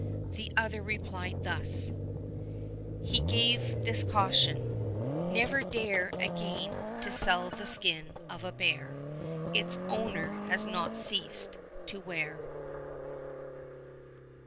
The other replied thus :—" He gave this caution —' Never dare Again to sell the skin of bear Its owner has not ceased to wear.